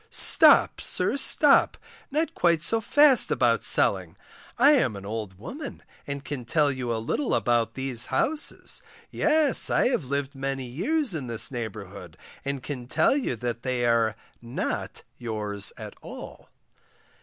Stop! sir, stop, not quite so fast about selling; I am an old woman and can tell you a little about these houses, yes, I have lived many years in this neighbourhood, and can tell you that they are not yours at all.